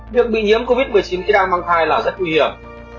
việc bị nhiễm covid một mươi chín khi đang mang thai là rất nguy hiểm